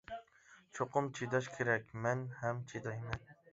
چوقۇم چىداش كېرەك، مەن ھەم چىدايمەن.